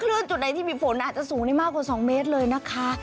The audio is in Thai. คลื่นจุดใดที่ฝนที่ไปมากว่า๒เมตรเลยนะคะ